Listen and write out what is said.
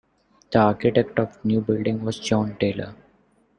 The architect of the new building was John Taylor.